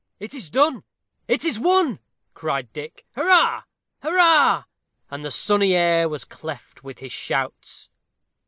"It is done it is won," cried Dick. "Hurrah! hurrah!" And the sunny air was cleft with his shouts.